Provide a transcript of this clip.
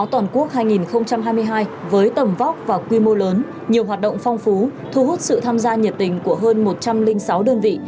toàn quốc hai nghìn hai mươi hai với tầm vóc và quy mô lớn nhiều hoạt động phong phú thu hút sự tham gia nhiệt tình của hơn một trăm linh sáu đơn vị